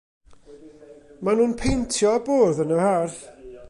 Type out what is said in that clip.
Maen nhw'n peintio y bwrdd yn yr ardd.